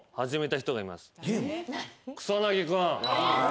草薙君。